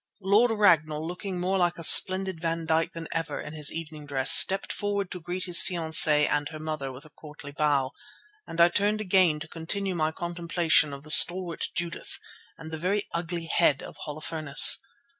Lord Ragnall, looking more like a splendid Van Dyck than ever in his evening dress, stepped forward to greet his fiancée and her mother with a courtly bow, and I turned again to continue my contemplation of the stalwart Judith and the very ugly head of Holofernes.